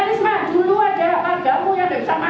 risma dulu aja warga mu yang nggak bisa makan